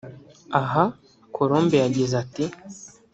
Aha Colombe yagize ati